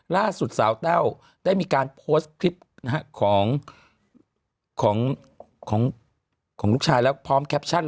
ล่าสุดสาวแต้วได้มีการโพสต์คลิปของลูกชายแล้วพร้อมแคปชั่น